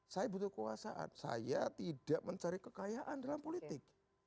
saya butuh kekuasaan saya tidak mencari kekayaan dalam politik